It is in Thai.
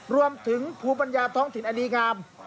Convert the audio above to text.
รวมถึงภูมิปัญญาท้องถิ่นอดีงาม